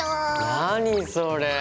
何それ！